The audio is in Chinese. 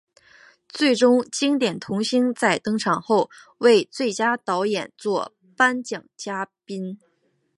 最终经典童星在登场后为最佳导演作颁奖嘉宾。